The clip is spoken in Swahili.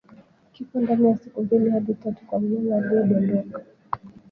Kifo ndani ya siku mbili hadi tatu kwa mnyama aliyedondoka